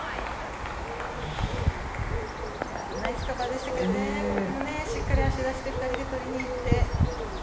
ナイスカバーでしたけどしっかり足を出して２人でとりにいって。